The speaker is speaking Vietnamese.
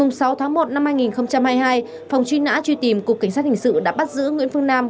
ngày sáu tháng một năm hai nghìn hai mươi hai phòng truy nã truy tìm cục cảnh sát hình sự đã bắt giữ nguyễn phương nam